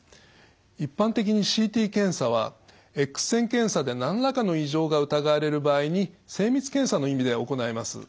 一般的にＣＴ検査はエックス線検査で何らかの異常が疑われる場合に精密検査の意味で行います。